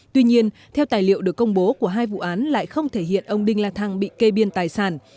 tuy nhiên theo tài liệu được công bố của hai vụ án lại không thể hiện ông đinh la thăng bị kê biên tài sản